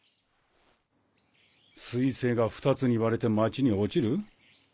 彗星が２つに割れて町に落ちる？